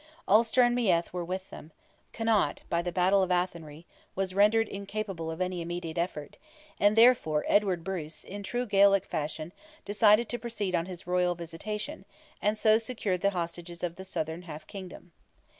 Ulster and Meath were with them; Connaught, by the battle of Athenry, was rendered incapable of any immediate effort, and therefore Edward Bruce, in true Gaelic fashion, decided to proceed on his royal visitation, and so secure the hostages of the southern half kingdom.